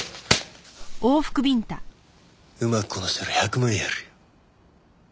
うまくこなしたら１００万やるよ。